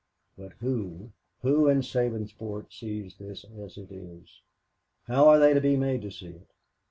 "But who, who in Sabinsport sees this as it is? How are they to be made to see it?